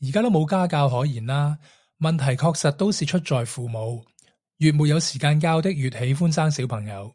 而家都冇家教可言啦，問題確實都是出在父母，越沒有時間教的人越喜歡生小朋友